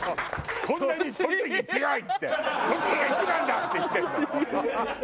こんなに「栃木強い」って「栃木が一番だ」って言ってるの。